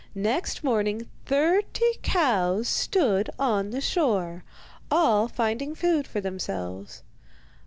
Next morning thirty cows stood on the shore, all finding food for themselves.